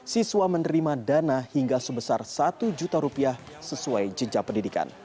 siswa menerima dana hingga sebesar satu juta rupiah sesuai jenjang pendidikan